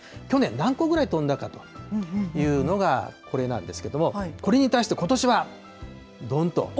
去年、何個ぐらい飛んだかというのが、これなんですけれども、これに対してことしは、どんっと。